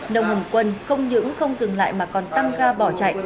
nông hồng quân không những không dừng lại mà còn tăng ga bỏ chạy